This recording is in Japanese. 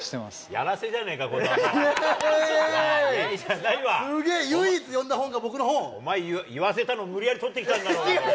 やらせじゃねぇか、こんなもすげー、唯一読んだ本が僕のお前、言わせたの無理やり撮ってきたんだろう。